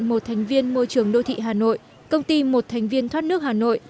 một thành viên môi trường đô thị hà nội công ty một thành viên thoát nước hà nội